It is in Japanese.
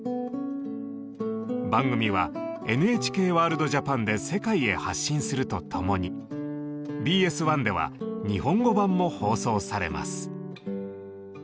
番組は「ＮＨＫワールドＪＡＰＡＮ」で世界へ発信するとともにＢＳ１では日本語版も放送されます。